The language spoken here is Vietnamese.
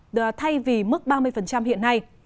thay vì mức ba mươi hiện nay